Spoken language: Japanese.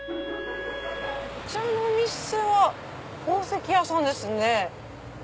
こちらのお店は宝石屋さんですね。